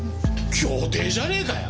競艇じゃねえかよ！